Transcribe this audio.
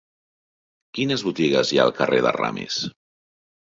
Quines botigues hi ha al carrer de Ramis?